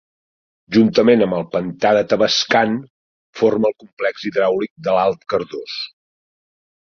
Juntament amb el pantà de Tavascan, forma el complex hidràulic de l'Alt Cardós.